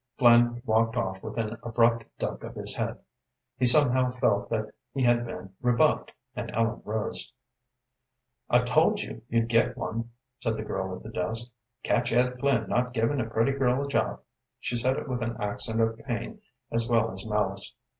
Flynn walked off with an abrupt duck of his head. He somehow felt that he had been rebuffed, and Ellen rose. "I told you you'd get one," said the girl at the desk. "Catch Ed Flynn not giving a pretty girl a job." She said it with an accent of pain as well as malice.